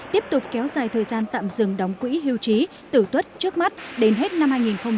tiếp tục kéo dài thời gian tạm dừng đóng quỹ hưu trí tử tuất trước mắt đến hết năm hai nghìn hai mươi